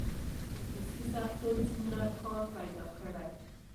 خصوصي سکتور څومره کار پیدا کړی؟